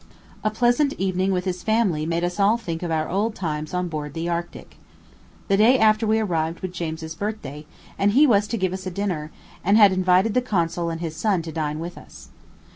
A pleasant evening with his family made us all think of our old times on board the Arctic. The day after we arrived was James's birthday, and he was to give us a dinner, and had invited the consul and his son to dine with us.